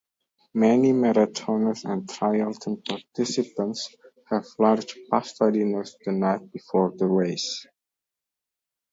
Many marathoners and triathlon participants have large pasta dinners the night before the race.